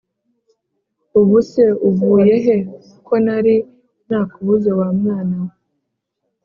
ubu se uvuye he konari nakubuze wa mwana we